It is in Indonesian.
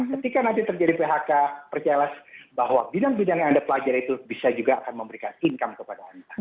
ketika nanti terjadi phk percayalah bahwa bidang bidang yang anda pelajari itu bisa juga akan memberikan income kepada anda